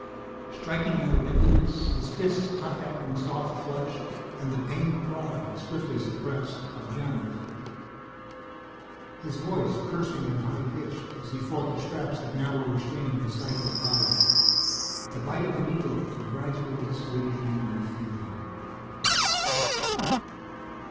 Striking out at emptiness, his fists contacting soft flesh, and the pained cry, swiftly suppressed, of Janith. His voice, cursing and high pitched, as he fought the straps that now were restraining his sightless body. The bite of a needle and gradual dissolution of feeling....